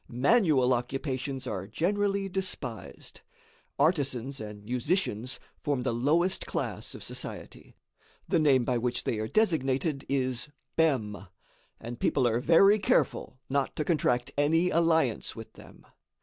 Manual occupations are generally despised. Artisans and musicians form the lowest class of society. The name by which they are designated is Bem, and people are very careful not to contract any alliance with them.